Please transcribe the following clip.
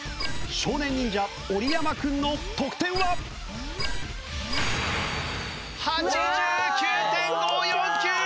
少年忍者織山君の得点は！？８９．５４９！